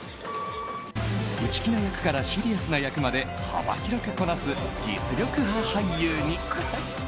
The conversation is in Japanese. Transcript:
内気な役からシリアスな役まで幅広くこなす実力派俳優に。